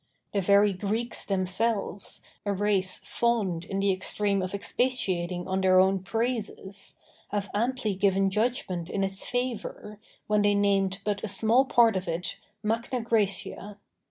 The very Greeks themselves, a race fond in the extreme of expatiating on their own praises, have amply given judgment in its favor, when they named but a small part of it 'Magna Græcia.